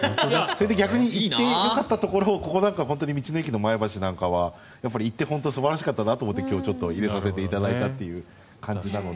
逆に行ってよかったところをここなんかは本当に道の駅の前橋なんかは、行って素晴らしかったなと思って今日入れさせていただいたという感じなので。